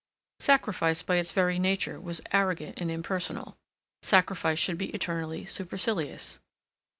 Sacrifice by its very nature was arrogant and impersonal; sacrifice should be eternally supercilious.